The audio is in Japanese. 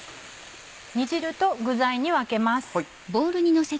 煮汁と具材に分けます。